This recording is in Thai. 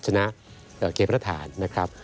ชนะเกมประธานนะครับ